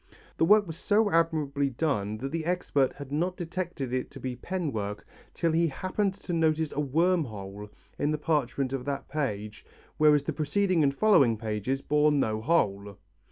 The work was so admirably done that the expert had not detected it to be pen work, till he happened to notice a worm hole in the parchment of that page whereas the preceding and following pages bore no hole.